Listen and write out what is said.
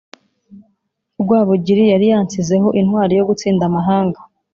Rwabugiri yari yansizeho intwali yo gutsinda amahanga,